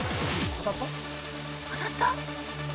当たった！？